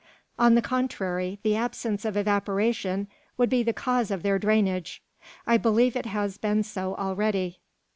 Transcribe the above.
"On the contrary, the absence of evaporation would be the cause of their drainage. I believe it has been so already."